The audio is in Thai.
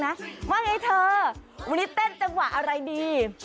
ว่าไงเธอวันนี้เต้นจังหวะอะไรดี